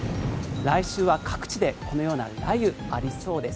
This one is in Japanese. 来週は各地でこのような雷雨ありそうです。